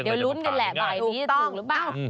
เดี๋ยวรุ้นกันแหละบอกไอ้พี่จะถูกหรือเปล่า